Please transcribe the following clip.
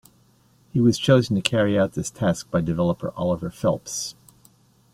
He was chosen to carry out this task by developer Oliver Phelps.